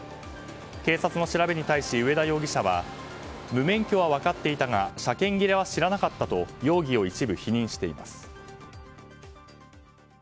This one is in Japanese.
警察の調べに対し、上田容疑者は無免許は分かっていたが車検切れは知らなかったと容疑を一部否認しています。